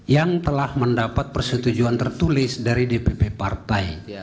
yang telah mendapat persetujuan tertulis dari dpp partai